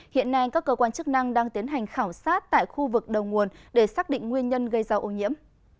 hiện nay các cơ quan chức năng đang tiến hành khảo sát tại khu vực đầu nguồn để xác định nguyên nhân gây ra ô nhiễm